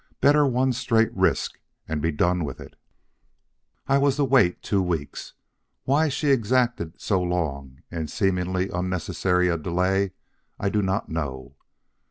Better one straight risk and be done with it. "I was to wait two weeks. Why she exacted so long and seemingly unnecessary a delay, I do not know.